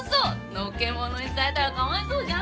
のけ者にされたらかわいそうじゃん。